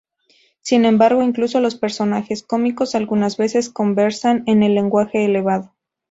Sin embargo, incluso los personajes cómicos algunas veces conversan en un lenguaje elevado.